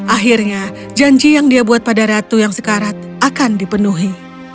akhirnya janji yang dia buat pada ratu yang sekarat akan dipenuhi